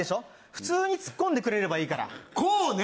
普通にツッコんでくれればいいから。こうね？